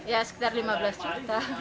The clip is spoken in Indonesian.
ya sekitar lima belas juta